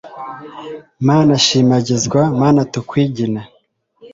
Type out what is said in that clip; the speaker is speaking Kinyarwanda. mana shimagizwa, mana tukwigine